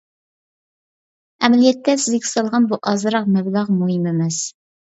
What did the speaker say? ئەمەلىيەتتە سىزگە سالغان بۇ ئازراق مەبلەغ مۇھىم ئەمەس.